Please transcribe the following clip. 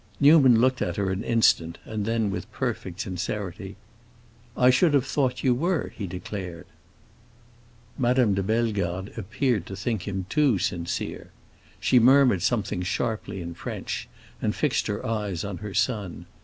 Newman looked at her an instant, and then, with perfect sincerity, "I should have thought you were," he declared. Madame de Bellegarde appeared to think him too sincere. She murmured something sharply in French, and fixed her eyes on her son.